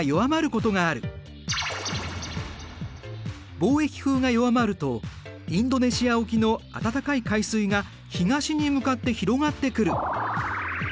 貿易風が弱まるとインドネシア沖の温かい海水が東に向かって広がってくる。